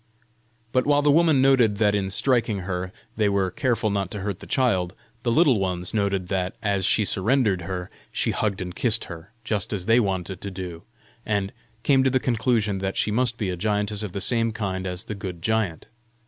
But while the woman noted that in striking her they were careful not to hurt the child, the Little Ones noted that, as she surrendered her, she hugged and kissed her just as they wanted to do, and came to the conclusion that she must be a giantess of the same kind as the good giant.